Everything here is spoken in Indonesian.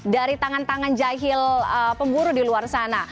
dari tangan tangan jahil pemburu di luar sana